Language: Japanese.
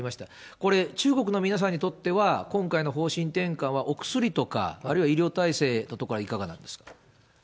これ、中国の皆さんにとっては、今回の方針転換はお薬とか、あるいは医療体制のところはいかがなんですか？